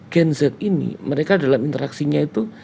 gen z ini mereka dalam interaksinya itu